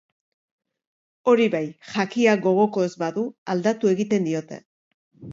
Hori bai, jakia gogoko ez badu, aldatu egiten diote.